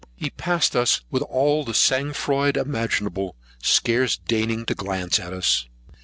He passed us with all the sang froid imaginable, scarce deigning to glance at us.